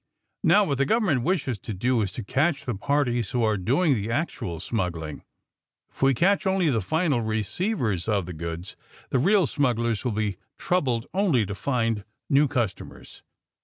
Now, what the government wishes to do is to catch the parties who are doing the actual smuggling. K we catch only the final receivers of the goods the real smugglers will be troubled only to find new customers."